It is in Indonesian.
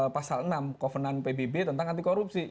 pasal enam covenant pbb tentang anti korupsi